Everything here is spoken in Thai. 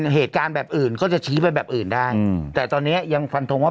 เหตุการณ์แบบอื่นก็จะชี้ไปแบบอื่นได้แต่ตอนนี้ยังฟันทงว่า